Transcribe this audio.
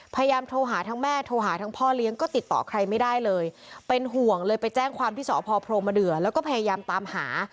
พยายามโทรหาทั้งแม่โทรหาทั้งพ่อเลี้ยงก็ติดต่อใครไม่ได้เลยเป็นห่วงเลยไปแจ้งความที่สพพรมเดือแล้วก็พยายามตามหา